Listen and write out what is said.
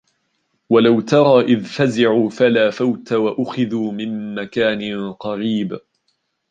وَلَوْ تَرَى إِذْ فَزِعُوا فَلَا فَوْتَ وَأُخِذُوا مِنْ مَكَانٍ قَرِيبٍ